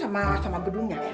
ehm itu sama gedungnya